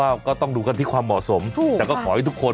แหละก็ต้องดูกันที่ความเหมาะสมถูกแล้วก็ขอให้ทุกคน